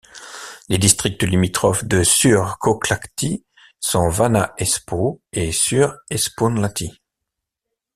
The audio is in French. Les districts limitrophes de Suur-Kauklahti sont Vanha-Espoo et Suur-Espoonlahti.